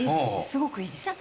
すごいいいです。